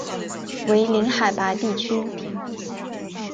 为零海拔地区。